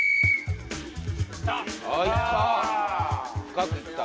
あいった！